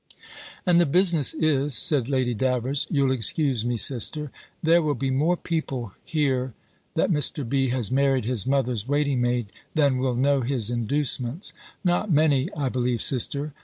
"And the business is," said Lady Davers "You'll excuse me, sister There will be more people hear that Mr. B. has married his mother's waiting maid, than will know his inducements." "Not many, I believe, sister.